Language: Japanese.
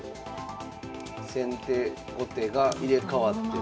先手後手が入れ代わっても。